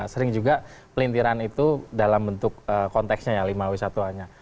sering juga pelintiran itu dalam bentuk konteksnya ya lima wisatawan